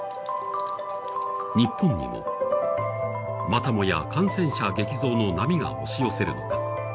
日本にも、またもや感染者激増の波が押し寄せるのか。